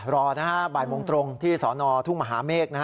รอนะฮะบรรยาโทษโมงตรงที่สวนทุกงมเมฆ